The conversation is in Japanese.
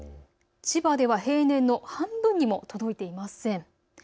千葉では平年の半分にも届いていません。